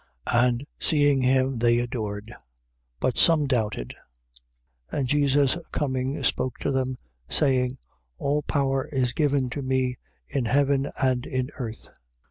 28:17. And seeing him they adored: but some doubted. 28:18. And Jesus coming, spoke to them, saying: All power is given to me in heaven and in earth.